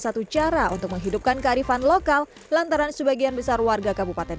satu cara untuk menghidupkan kearifan lokal lantaran sebagian besar warga kabupaten